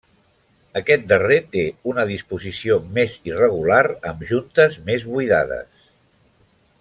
Aquest darrer té una disposició més irregular, amb juntes més buidades.